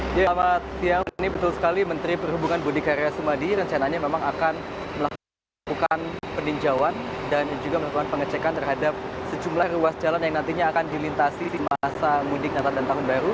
selamat siang ini betul sekali menteri perhubungan budi karya sumadi rencananya memang akan melakukan peninjauan dan juga melakukan pengecekan terhadap sejumlah ruas jalan yang nantinya akan dilintasi di masa mudik natal dan tahun baru